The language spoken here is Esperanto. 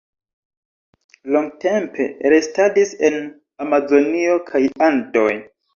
Longtempe restadis en Amazonio kaj Andoj.